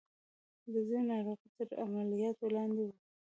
د ځينو ناروغ تر عملياتو لاندې وو.